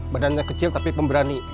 badannya kecil tapi pemberani